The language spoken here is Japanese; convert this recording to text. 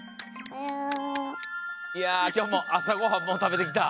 いやきょうも朝ごはんもうたべてきた？